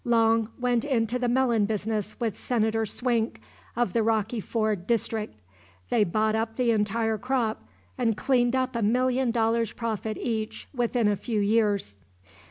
Long went into the melon business with Senator Swink, of the Rocky Ford district. They bought up the entire crop and cleaned up a million dollars profit each within a few years.